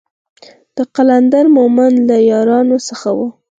د قلندر مومند له يارانو څخه و.